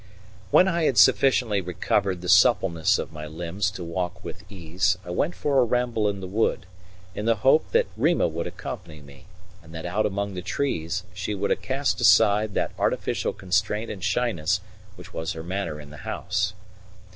When I had sufficiently recovered the suppleness of my limbs to walk with ease, I went for a ramble in the wood, in the hope that Rima would accompany me, and that out among the trees she would cast aside that artificial constraint and shyness which was her manner in the house.